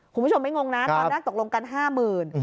คุณผู้ชมไม่งงนะก่อนหน้าตกลงกัน๕หมื่น